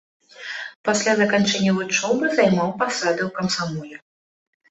Пасля заканчэння вучобы займаў пасады ў камсамоле.